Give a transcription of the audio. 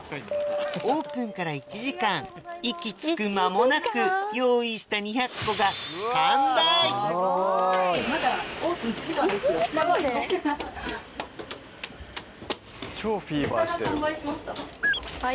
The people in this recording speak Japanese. オープンから１時間息つく間もなく用意した２００個がはい。